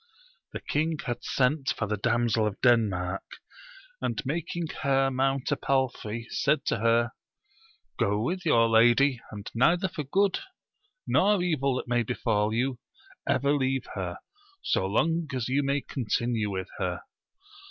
The king had sent for the Damsel of Denmark, and making her mount a palfrey, said to her. Go with your lady, and neither for good nor evil that may befal you, ever leave her, so long as you may continue with her.